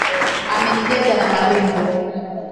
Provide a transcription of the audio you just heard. Amenijaza na maringo